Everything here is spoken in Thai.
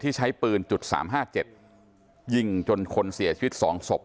ใช้ปืนจุด๓๕๗ยิงจนคนเสียชีวิต๒ศพ